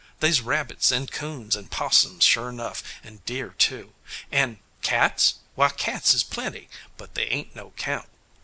They's rabbits and 'coons and 'possums, sure enough, and deer too; and Cats? Why, cats is plenty, but they ain't no 'count.